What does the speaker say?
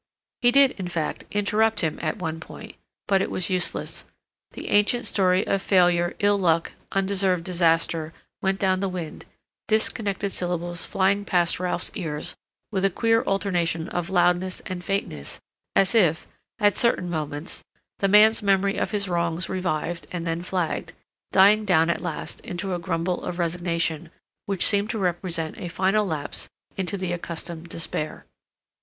He did, in fact, interrupt him at one point; but it was useless. The ancient story of failure, ill luck, undeserved disaster, went down the wind, disconnected syllables flying past Ralph's ears with a queer alternation of loudness and faintness as if, at certain moments, the man's memory of his wrongs revived and then flagged, dying down at last into a grumble of resignation, which seemed to represent a final lapse into the accustomed despair.